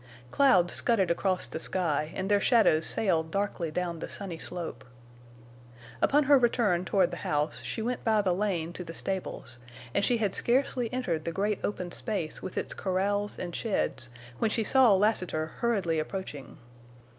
Clouds scudded across the sky and their shadows sailed darkly down the sunny slope. Upon her return toward the house she went by the lane to the stables, and she had scarcely entered the great open space with its corrals and sheds when she saw Lassiter hurriedly approaching.